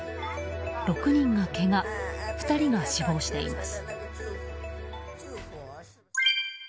６人がけが２人が死亡しています。